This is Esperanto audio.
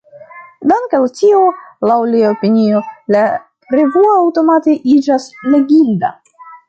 Dank’ al tio, laŭ lia opinio, la revuo aŭtomate iĝas “leginda”.